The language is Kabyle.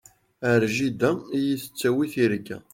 Ar jida i yi-tettawi tirga.